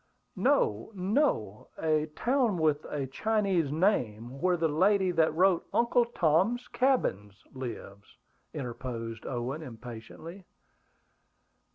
"No, no! A town with a Chinese name, where the lady that wrote Uncle Tom's Cabin lives," interposed Owen impatiently.